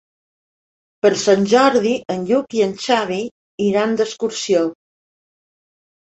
Per Sant Jordi en Lluc i en Xavi iran d'excursió.